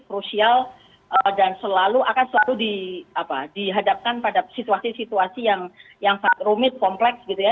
krusial dan selalu akan selalu dihadapkan pada situasi situasi yang rumit kompleks gitu ya